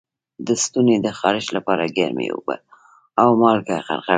د ستوني د خارش لپاره ګرمې اوبه او مالګه غرغره کړئ